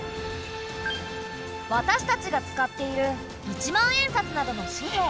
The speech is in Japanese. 私たちが使っている１万円札などの紙幣。